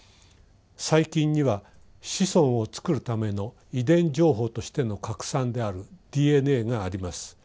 細菌には子孫をつくるための遺伝情報としての核酸であるＤＮＡがあります。